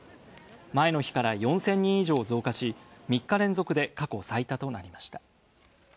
前の日から４０００人以上増加し、３日連続で過去最多となりました。